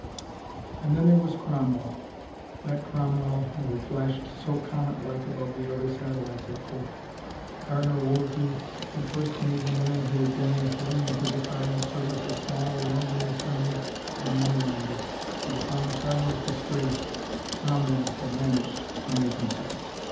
And then there was Cromwell, that Cromwell who had flashed so comet like above the other satellites at court. Cardinal Wolsey had first made the man who had been, until he entered the cardinal's service, a small London attorney and moitey lender, and upon the cardinal's dis grace, Cromwell had managed to make himself.